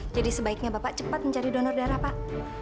jadi sebaiknya bapak cepat mencari donor darah pak